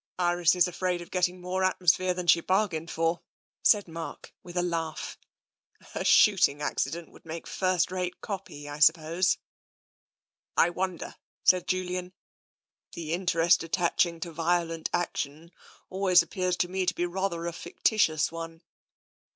" Iris is afraid of getting more atmosphere than she bargained for," said Mkrk, with a laugh. " A shoot ing accident would make first rate copy, I suppose." " I wonder," said Julian. " The interest attaching to violent action always appears to me to be rather a fictitious one."